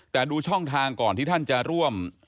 แต่ดูช่องทางก่อนที่ท่านจะร่วม